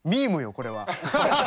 これは。